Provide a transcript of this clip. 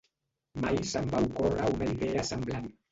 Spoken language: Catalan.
Mai se'm va ocórrer una idea semblant.